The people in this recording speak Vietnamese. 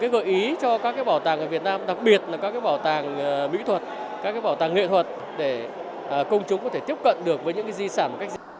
các bảo tàng mỹ thuật các bảo tàng nghệ thuật để công chúng có thể tiếp cận được với những di sản